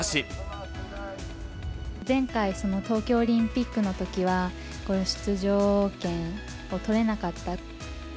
前回、東京オリンピックのときは、出場権を取れなかった。